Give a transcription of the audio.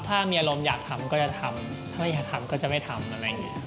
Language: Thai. ถ้ามีอารมณ์อยากทำก็จะทำถ้าอยากทำก็จะไม่ทำอะไรอย่างนี้